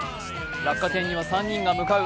落下点には３人が向かう。